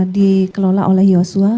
dikelola oleh yosua